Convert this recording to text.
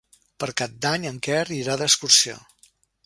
Per Cap d'Any en Quer irà d'excursió.